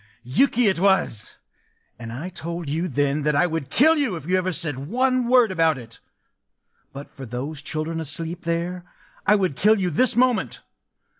Yuki it was! And I told you then that I would kill you if you ever said one word about it!... But for those children asleep there, I would kill you this moment!